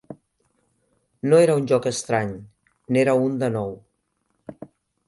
No era un lloc estrany; n'era un de nou.